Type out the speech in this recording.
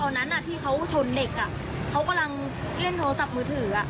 ตอนนั้นที่เขาชนเด็กเขากำลังเล่นโทรศัพท์มือถือ